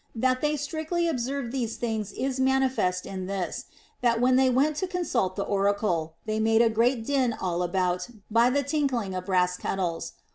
That they strictly observed these things is manifest in this, that when they went to consult the oracle, they made a great din all about by the tinkling of brass kettles.